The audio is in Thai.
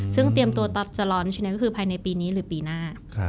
ซึ่งเตรียมตัวตัสจะร้อนฉะนั้นก็คือภายในปีนี้หรือปีหน้า